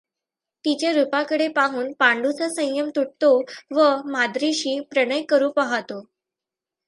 तिच्या रुपाकडे पाहून पांडूचा संयम तुटतो व माद्रीशी प्रणय करु पहातो.